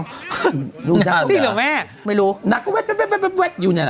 จริงหรอแม่ไม่รู้นางก็แว๊บอยู่เนี่ยล่ะ